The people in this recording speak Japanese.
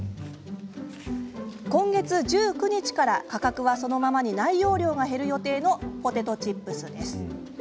今月１９日から価格はそのままに内容量が減る予定のポテトチップスです。